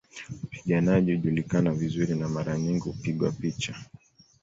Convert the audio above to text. Wapiganaji hujulikana vizuri na mara nyingi hupigwa picha